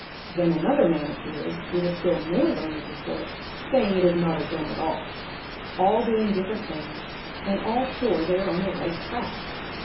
Then another man appears with a still more learned report saying it is not a germ at all. All doing different things, and all sure they are on the right track!